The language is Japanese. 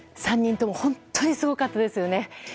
３人とも本当にすごかったですよね！